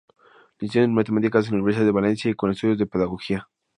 Licenciado en Matemáticas en la Universidad de Valencia y con estudios en Pedagogía.